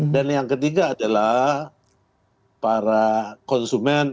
dan yang ketiga adalah para konsumen